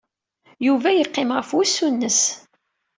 Yuba yeqqim ɣef wusu-nnes.